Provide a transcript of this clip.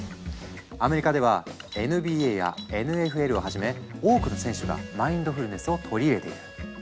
アメリカではＮＢＡやＮＦＬをはじめ多くの選手がマインドフルネスを取り入れている。